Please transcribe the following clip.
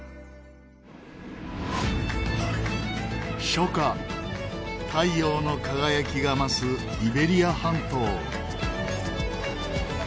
初夏太陽の輝きが増すイベリア半島。